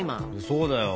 そうだよ。